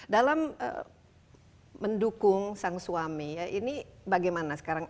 dalam mendukung sang suami ini bagaimana sekarang